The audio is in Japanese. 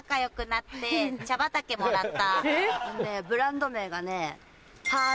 ブランド名がね。